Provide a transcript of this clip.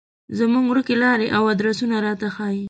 زموږ ورکې لارې او ادرسونه راته ښيي.